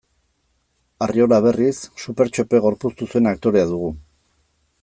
Arriola, berriz, Supertxope gorpuztu zuen aktorea dugu.